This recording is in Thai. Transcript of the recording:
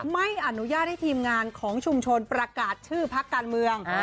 ไม่อนุญาตให้ทีมงานของชุมชนประกาศชื่อพักการเมือง